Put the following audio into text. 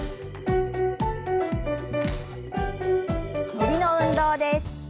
伸びの運動です。